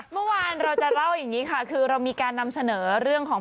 เมื่อวานเราจะเล่าอย่างนี้ค่ะคือเรามีการนำเสนอเรื่องของ